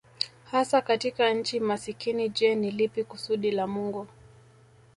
hasa katika nchi masikini Je ni lipi kusudi la Mungu